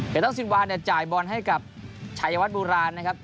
เกมตั้ง๑๐วานเนี่ยจ่ายบอลให้กับชายวัฒน์บูราณนะครับ